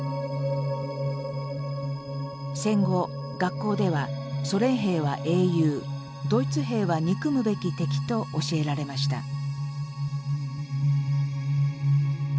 戦後学校ではソ連兵は英雄ドイツ兵は憎むべき敵と教えられました。